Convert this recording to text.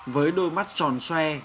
với đôi mắt tròn xoe